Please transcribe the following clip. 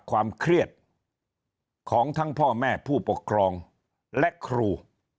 ความเครียดของทั้งพ่อแม่ผู้ปกครองและครู